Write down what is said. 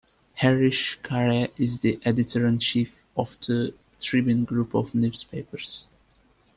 Harish Khare is the Editor-in-Chief of The Tribune Group of Newspapers.